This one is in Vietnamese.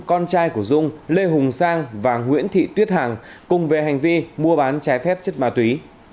con trai của dung lê hùng sang và nguyễn thị tuyết hằng cùng về hành vi mua bán trái phép chất ma túy